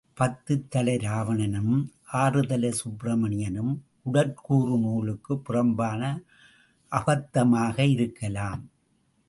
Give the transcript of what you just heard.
பத்துத் தலை ராவணனும், ஆறுதலை சுப்ரமணியனும், உடற்கூறு நூலுக்குப் புறம்பான அபத்தமாக இருக்கலாம்.